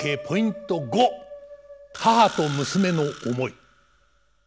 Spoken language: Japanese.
ポイント５母と娘の思い。